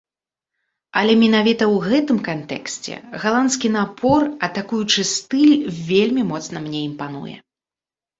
Але менавіта ў гэтым кантэксце галандскі напор, атакуючы стыль вельмі моцна мне імпануе.